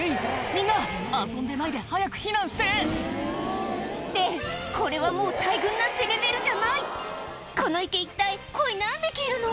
みんな遊んでないで早く避難してってこれはもう大群なんてレベルじゃないこの池一体コイ何匹いるの？